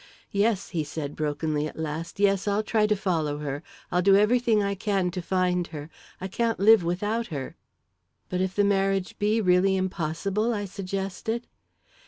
"Yes," he said brokenly, at last. "Yes, I'll try to follow her. I'll do everything I can to find her. I can't live without her!" "But if the marriage be really impossible?" I suggested.